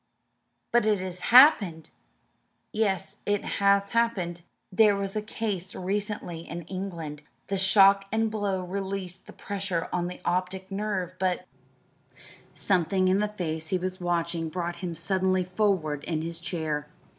"But it has happened?" "Yes, it has happened. There was a case recently in England. The shock and blow released the pressure on the optic nerve; but " Something in the face he was watching brought him suddenly forward in his chair.